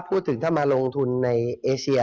พูดถึงถ้ามาลงทุนในเอเชีย